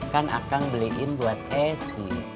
kan akang beliin buat esy